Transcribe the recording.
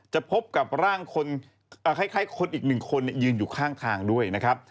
จะพบกับร่างคนคล้ายคนอีก๑คนยืนอยู่ข้างทางด้วยนะครับ